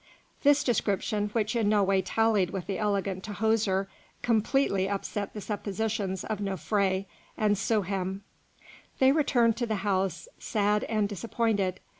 This description, which in no way tallied with the elegant Tahoser, completely upset the suppositions of Nofré and Souhem. They returned to the house sad and disappointed.